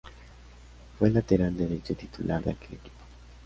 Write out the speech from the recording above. Fue el lateral derecho titular de aquel equipo.